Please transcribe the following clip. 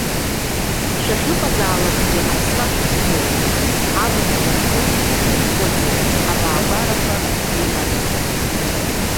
Шәахьыҟазаалакгьы аԥсра шәыхьӡоит, абахә иаԥну, иӷәӷәаӡоу абаагәарақәа шәрыҩназаргьы!